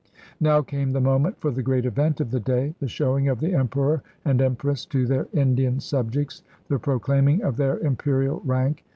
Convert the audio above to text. Now came the moment for the great event of the day — the showing of the Emperor and Empress to their Indian subjects, the proclaiming of their Imperial rank.